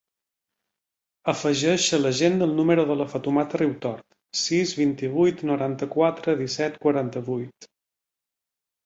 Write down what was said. Afegeix a l'agenda el número de la Fatoumata Riutort: sis, vint-i-vuit, noranta-quatre, disset, quaranta-vuit.